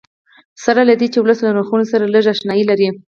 سره له دې چې ولس له نرخونو سره لږ اشنایي لري.